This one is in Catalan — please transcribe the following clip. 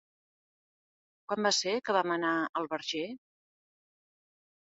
Quan va ser que vam anar al Verger?